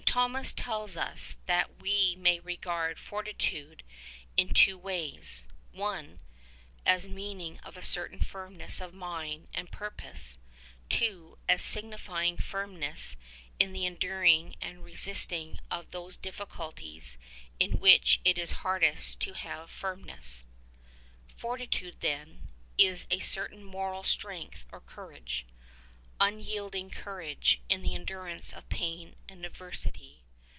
Thomas tells us that we may regard fortitude in two ways: (i) As meaning a certain firmness of mind and purpose: (2) as signifying firmness in the enduring and re sisting of those difficulties in which it is hardest to have firmness. Fortitude, then, is a certain moral strength or courage — unyielding courage in the endurance of pain and adversity.